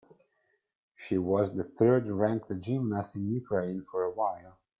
She was the third-ranked gymnast in Ukraine for a while.